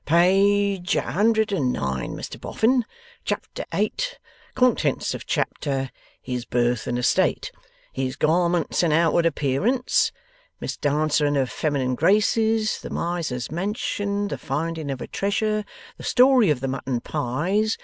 'Page a hundred and nine, Mr Boffin. Chapter eight. Contents of chapter, "His birth and estate. His garments and outward appearance. Miss Dancer and her feminine graces. The Miser's Mansion. The finding of a treasure. The Story of the Mutton Pies.